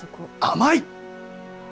甘い！